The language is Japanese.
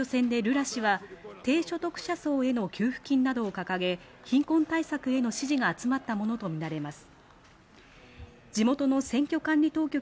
選挙戦でルラ氏は低所得者層への給付金などを掲げ、貧困対策への支持が集まったものとみられます。